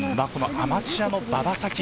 アマチュアの馬場咲希。